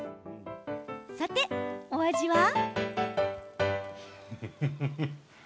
さて、お味は？